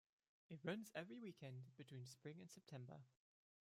It runs every weekend between spring and September.